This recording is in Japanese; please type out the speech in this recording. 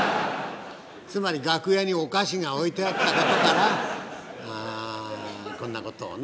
つまり楽屋にお菓子が置いてあったことからあこんなことをね